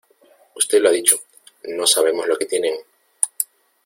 usted lo ha dicho, no sabemos lo que tienen.